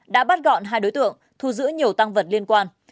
đã bắt gọn hai đối tượng thu giữ nhiều tăng vật liên quan